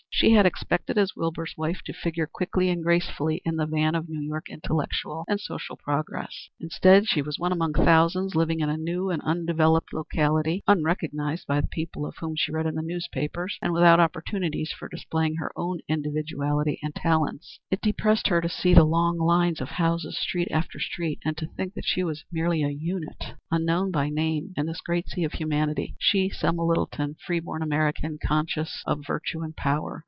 She had expected, as Wilbur's wife, to figure quickly and gracefully in the van of New York intellectual and social progress. Instead, she was one among thousands, living in a new and undeveloped locality, unrecognized by the people of whom she read in the newspapers, and without opportunities for displaying her own individuality and talents. It depressed her to see the long lines of houses, street after street, and to think that she was merely a unit, unknown by name, in this great sea of humanity she, Selma Littleton, free born American, conscious of virtue and power.